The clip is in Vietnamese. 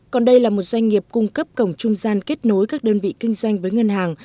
còn đây là một doanh nghiệp cung cấp cổng trung gian kết nối các đơn vị kinh doanh với ngân hàng